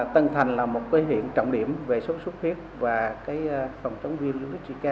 tân thành là một huyện trọng điểm về số sốt huyết và phòng chống virus zika